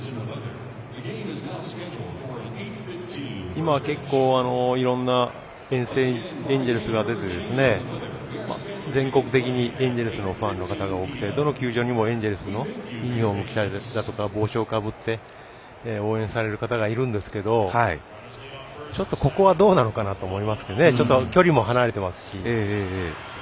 今、結構いろんな編成でエンジェルスが出て全国的にエンジェルスのファンの方が多くてどの球場にもエンジェルスのユニフォーム着たり帽子をかぶって応援をされる方がいるんですけどちょっと、ここはどうなのかなと思いますね、距離も離れてますし。